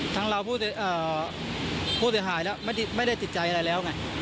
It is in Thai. ทางเราพูดเอ่อพูดถือหายแล้วไม่ได้ไม่ได้จิตใจอะไรแล้วไง